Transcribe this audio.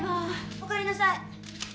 おかえりなさい。